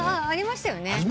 ありましたよね？